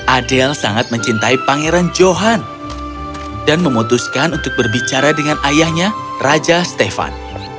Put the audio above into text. adel sangat mencintai pangeran johan dan memutuskan untuk berbicara dengan ayahnya raja stefan